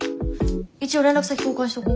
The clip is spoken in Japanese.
一応連絡先交換しとこ。